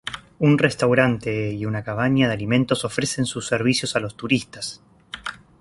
Un restaurante y una cabaña de alimentos ofrecen sus servicios a los turistas.